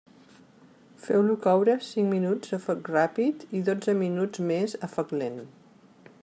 Feu-lo coure cinc minuts a foc ràpid i dotze minuts més a foc lent.